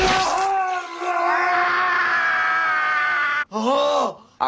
ああ！